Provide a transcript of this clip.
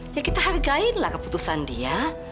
ya kita hargailah keputusan dia